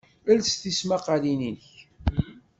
Els tismaqalin-inek!